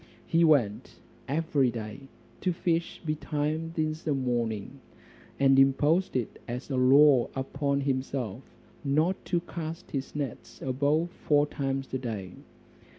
He went every day to fish betimes in the morning; and imposed it as a law upon himself, not to cast his nets above four times a day.